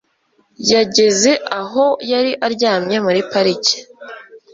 Ageze aho yari aryamye muri parike